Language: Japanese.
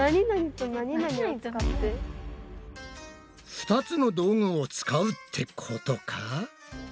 ２つの道具を使うってことか？